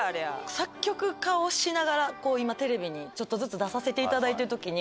作曲家をしながら今テレビにちょっとずつ出させていただいてる時に。